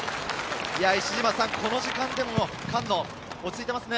この時間でも菅野、落ち着いていますね。